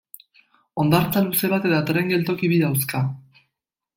Hondartza luze bat eta tren-geltoki bi dauzka.